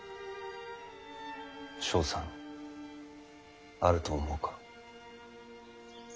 勝算あると思うか？